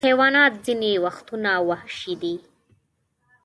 حیوانات ځینې وختونه وحشي دي.